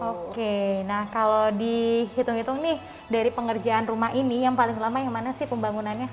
oke nah kalau dihitung hitung nih dari pengerjaan rumah ini yang paling lama yang mana sih pembangunannya